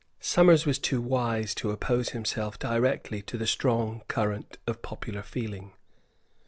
Somers was too wise to oppose himself directly to the strong current of popular feeling.